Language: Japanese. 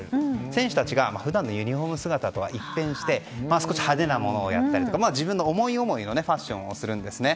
選手たちが、普段のユニホーム姿とは一変して少し派手なものだったりとか自分の思い思いのファッションをするんですね。